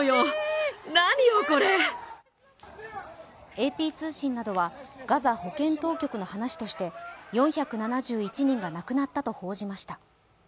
ＡＰ通信などはガザ保健当局の話として４７１人が亡くなったと報じました。